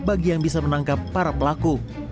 bagi yang bisa menangkap para pelaku